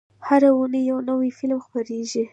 هره اونۍ یو نوی فلم خپرېږي.